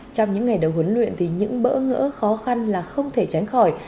trong những ngày đầu huấn luyện thì những bỡ ngỡ khó khăn là không thể tránh khỏi